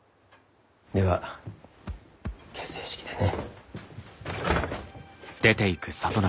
では結成式でね。